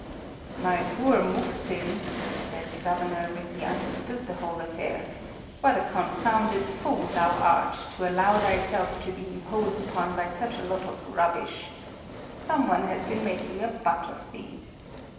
"My poor Muhzin," said the Governor, when he understood the whole affair, "what a confounded fool thou art to allow thyself to be imposed upon by such a lot of rubbish! Some one has been making a butt of thee.